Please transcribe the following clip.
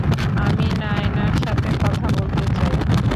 আমি নায়নার সাথে কথা বলতে চাই।